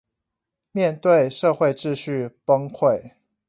面對社會秩序崩潰